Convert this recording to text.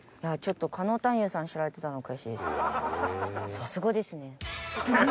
さすがですね。